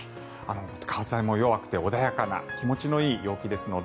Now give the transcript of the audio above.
風も弱くて穏やかな気持ちのいい陽気ですので。